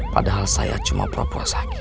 padahal saya cuma perempuan sakit